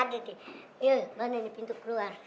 yuk bantuin pintu keluar